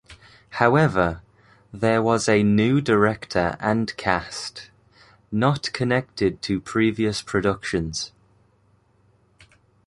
However, there was a new director and cast, not connected to previous productions.